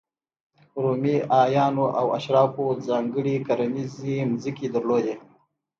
رومي اعیانو او اشرافو ځانګړې کرنیزې ځمکې درلودې.